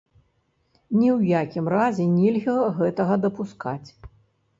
Ні ў якім разе нельга гэтага дапускаць.